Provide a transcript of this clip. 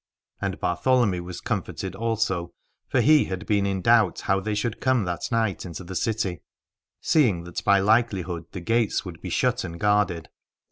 And 156 Alad ore Bartholomy was comforted also, for he had been in doubt how they should come that night into the city, seeing that by likelihood the gates would be shut and guarded.